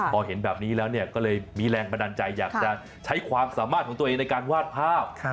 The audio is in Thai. พอเห็นแบบนี้แล้วก็เลยมีแรงบันดาลใจอยากจะใช้ความสามารถของตัวเองในการวาดภาพ